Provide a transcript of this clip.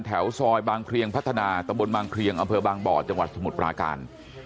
แถวซอยบางเพลียงพัฒนาตะบนบางเพลียงอำเภอบางบ่อจังหวัดสมุทรปราการ